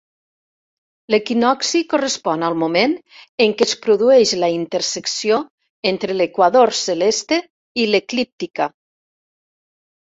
L'equinocci correspon al moment en què es produeix la intersecció entre l'equador celeste i l'eclíptica.